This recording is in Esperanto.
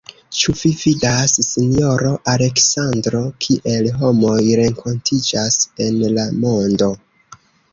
Ĉu vi vidas, sinjoro Aleksandro, kiel homoj renkontiĝas en la mondo!